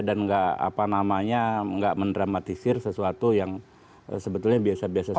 dan nggak apa namanya nggak mendramatisir sesuatu yang sebetulnya biasa biasa saja